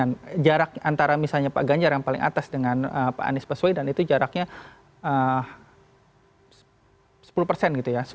dan jarak antara misalnya pak ganjar yang paling atas dengan pak anies baswedan itu jaraknya sepuluh persen gitu ya